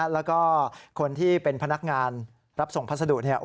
แล้วก็คนที่เป็นพนักงานรับส่งพัสดุ